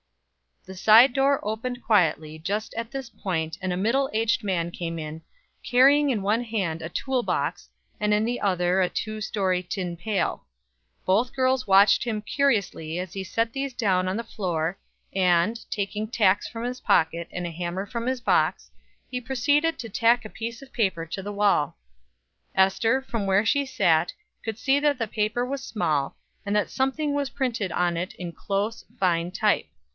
The side door opened quietly just at this point and a middle aged man came in, carrying in one hand a tool box, and in the other a two story tin pail. Both girls watched him curiously as he set these down on the floor, and, taking tacks from his pocket and a hammer from his box, he proceeded to tack a piece of paper to the wall. Ester, from where she sat, could see that the paper was small, and that something was printed on it in close, fine type.